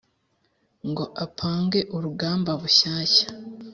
ngo apange urugamba bushyashya,